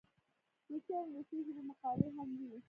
روسي او انګلیسي ژبو مقالې هم وې.